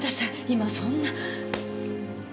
今そんな。